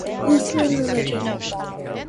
Lutheran religion.